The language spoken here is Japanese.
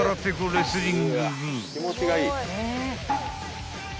レスリング部］